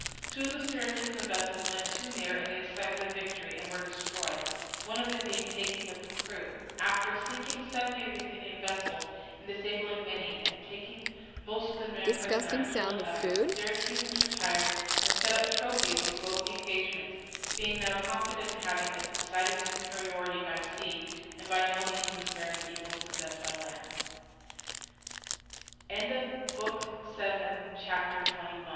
Two of the Syracusan vessels went too near in the excitement of victory and were destroyed, one of them being taken with its crew. After sinking seven of the Athenian vessels and disabling many, and taking most of the men prisoners and killing others, the Syracusans retired and set up trophies for both the engagements, being now confident of having a decided superiority by sea, and by no means despairing of equal success by land. CHAPTER XXII Nine